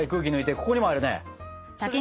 ここにもあるね。